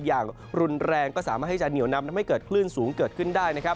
อย่างรุนแรงก็สามารถที่จะเหนียวนำทำให้เกิดคลื่นสูงเกิดขึ้นได้นะครับ